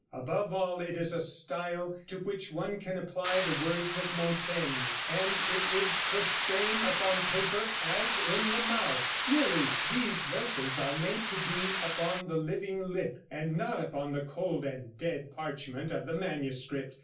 Above all it is a style to which one can apply the words of Montaigne, and it is the same upon paper as in the mouth. Really these verses are made to be upon the living lip, and not upon the cold and dead parchment of the manuscript.